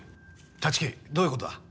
立木どういう事だ？